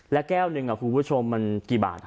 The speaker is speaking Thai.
แล้วแก้วหนึ่งคุณผู้ชมมันกี่บาท